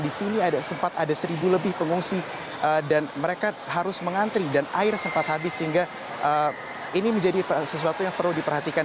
di sini sempat ada seribu lebih pengungsi dan mereka harus mengantri dan air sempat habis sehingga ini menjadi sesuatu yang perlu diperhatikan